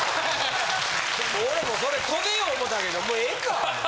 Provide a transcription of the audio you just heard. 俺もそれ止めよう思たけどもうええか思て。